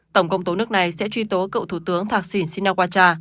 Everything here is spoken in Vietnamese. tổng công tố nước này sẽ truy tố cậu thủ tướng thạc sỉn sinawacha